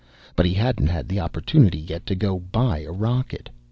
But he hadn't had an opportunity yet to go buy a rocket.